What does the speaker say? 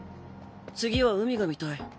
次は海が見たい。